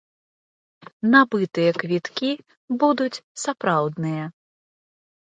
Набытыя квіткі будуць сапраўдныя.